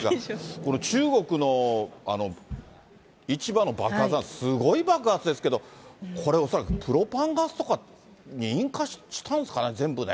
この中国の市場の爆発は、すごい爆発ですけど、これ、恐らくプロパンガスとか、引火したんですかね、全部ね。